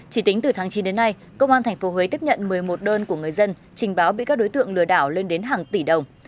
chỉ tính từ tháng chín đến nay công an tp huế tiếp nhận một mươi một đơn của người dân trình báo bị các đối tượng lừa đảo lên đến hàng tỷ đồng